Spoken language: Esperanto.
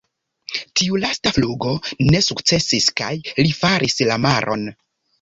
Tiu lasta flugo ne sukcesis kaj li falis la maron.